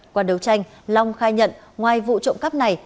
qua đấu tranh long khai nhận ngoài vụ trộm cắp này